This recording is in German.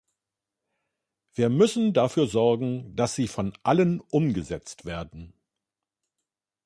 Wir müssen dafür sorgen, dass sie von allen umgesetzt werden.